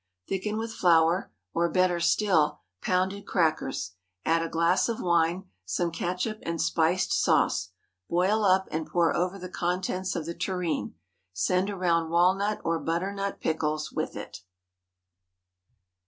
Thicken with flour, or, better still, pounded crackers; add a glass of wine, some catsup, and spiced sauce; boil up, and pour over the contents of the tureen. Send around walnut or butternut pickles with it.